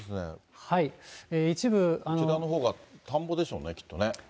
こちらのほうが田んぼでしょうね、きっと。